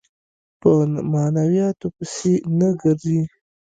په معنوياتو پسې نه ګرځي.